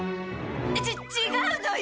ち違うのよ！